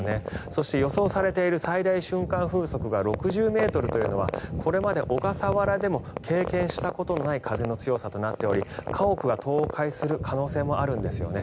そして、予想されている最大瞬間風速が６０ｍというのはこれまで小笠原でも経験したことのない風の強さとなっており家屋が倒壊する可能性もあるんですよね。